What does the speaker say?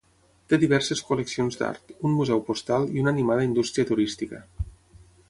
Té diverses col·leccions d'art, un museu postal i una animada indústria turística.